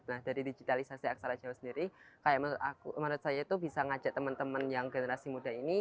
lihatlah perhatian para siswa